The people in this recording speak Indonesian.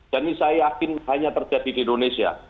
dan ini saya yakin hanya terjadi di indonesia